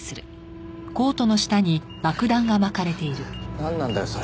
なんなんだよそれ。